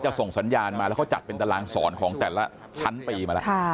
ส่งสัญญาณมาแล้วเขาจัดเป็นตารางสอนของแต่ละชั้นปีมาแล้ว